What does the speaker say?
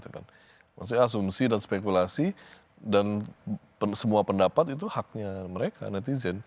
maksudnya asumsi dan spekulasi dan semua pendapat itu haknya mereka netizen